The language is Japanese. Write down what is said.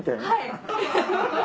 はい。